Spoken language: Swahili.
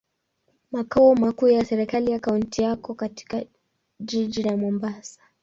Makao makuu ya serikali ya kaunti yako katika jiji la Mombasa.